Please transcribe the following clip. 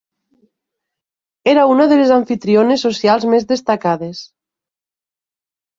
Era una de les amfitriones socials més destacades.